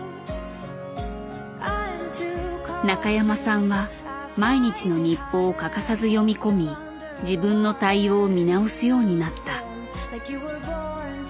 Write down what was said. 中山さんは毎日の日報を欠かさず読み込み自分の対応を見直すようになった。